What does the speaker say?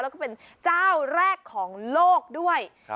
แล้วก็เป็นเจ้าแรกของโลกด้วย